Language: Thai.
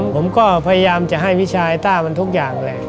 ผมก็พยายามจะให้พี่ชายต้ามันทุกอย่างแหละ